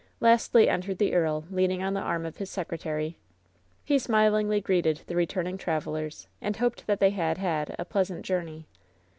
Lastly entered the earl, leaning on the arm of his secretary. He smilingly greeted the returning travelers, and hoped that they had had a pleasant journey.